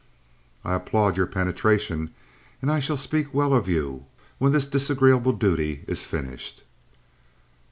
"I applaud your penetration and I shall speak well of you when this disagreeable duty is finished."